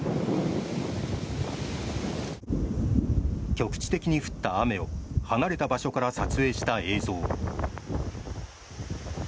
局地的に降った雨を離れた場所から撮影した映像。